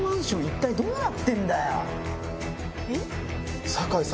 一体どうなってんだよ！